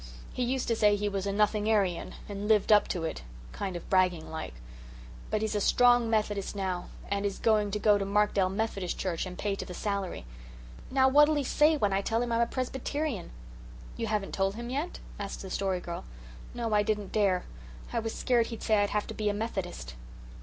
He used to say he was a Nothingarian and lived up to it kind of bragging like. But he's a strong Methodist now, and is going to go to Markdale Methodist church and pay to the salary. Now what'll he say when I tell him I'm a Presbyterian?" "You haven't told him, yet?" asked the Story Girl. "No, I didn't dare. I was scared he'd say I'd have to be a Methodist."